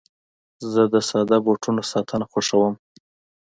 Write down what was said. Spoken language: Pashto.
زه د ساده بوټو ساتنه خوښوم.